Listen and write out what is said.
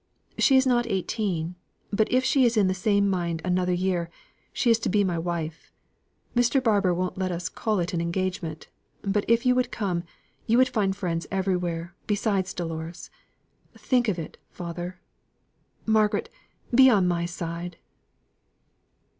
She is not eighteen; but if she is in the same mind another year, she is to be my wife. Mr. Barbour won't let us call it an engagement. But if you would come you would find friends everywhere, besides Dolores. Think of it, father. Margaret be on my side."